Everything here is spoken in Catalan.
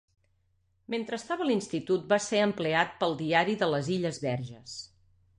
Mentre estava a l'institut va ser empleat pel Diari de les Illes Verges.